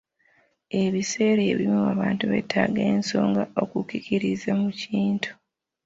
Ebiseera ebimu abantu beetaaga ensonga okukkiririza mu kintu.